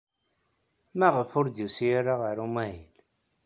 Maɣef ur d-yusi ara ɣer umahil?